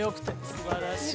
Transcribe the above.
◆すばらしい。